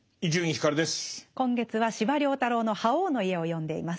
今月は司馬太郎の「覇王の家」を読んでいます。